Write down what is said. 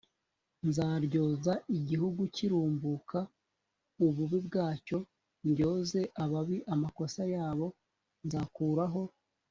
nzaryoza igihugu kirumbuka ububi bwacyo ndyoze ababi amakosa yabo nzakuraho